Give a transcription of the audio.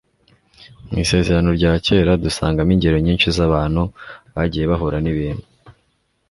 mu isezerano rya kera, dusangamo ingero nyinshi z'abantu bagiye bahura n'ibintu